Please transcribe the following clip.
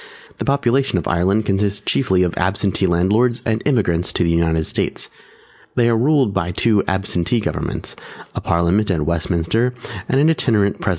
The population of Ireland consists chiefly of Absentee landlords and Emigrants to the United States. They are ruled by two Absentee governments, a Parliament at Westminster and an Itinerant President.